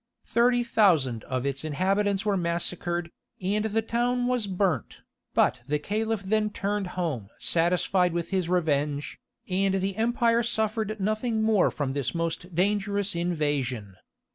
Thirty thousand of its inhabitants were massacred, and the town was burnt, but the Caliph then turned home satisfied with his revenge, and the empire suffered nothing more from this most dangerous invasion.